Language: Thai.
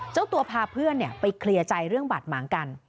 เจ้าตัวพาเพื่อนไปเคลียร์ใจเรื่องบาดหมางกัน